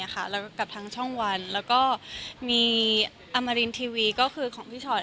แล้วก็กับทางช่องวันแล้วก็มีอมรินทีวีก็คือของพี่ชอต